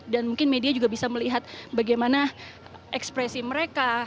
dan mungkin media juga bisa melihat bagaimana ekspresi mereka